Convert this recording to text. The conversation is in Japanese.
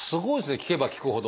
聞けば聞くほど。